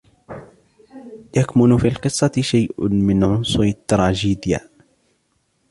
يكمن في القصة شيء من عنصر التراجيديا.